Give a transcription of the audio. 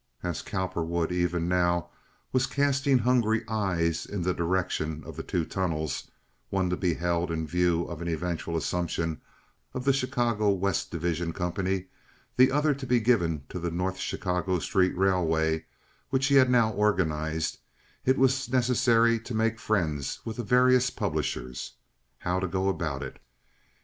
As Cowperwood even now was casting hungry eyes in the direction of the two tunnels—one to be held in view of an eventual assumption of the Chicago West Division Company, the other to be given to the North Chicago Street Railway, which he had now organized, it was necessary to make friends with the various publishers. How to go about it?